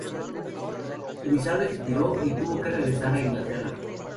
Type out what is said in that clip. Su visado expiró y tuvo que regresar a Inglaterra.